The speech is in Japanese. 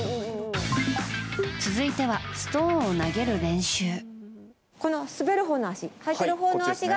続いては、ストーンを投げる練習。